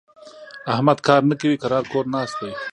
احمد کار نه کوي؛ کرار کور ناست دی.